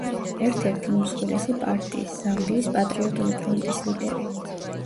ერთ-ერთი უმსხვილესი პარტიის, ზამბიის პატრიოტული ფრონტის ლიდერი.